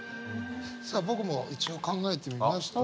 さあ僕も一応考えてみました。